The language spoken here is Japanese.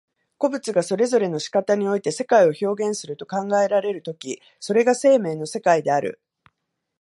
個物がそれぞれの仕方において世界を表現すると考えられる時、それが生命の世界である。